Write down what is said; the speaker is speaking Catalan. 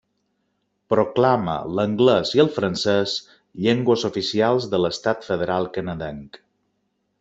Proclama l'anglès i al francès llengües oficials de l'Estat federal canadenc.